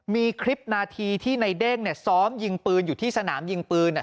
มีคลิปนาทีที่ในเด้งซ้อมยิงปืนอยู่ที่สนามยิงปืน